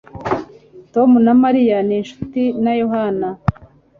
Tom na Mariya ni inshuti na Yohana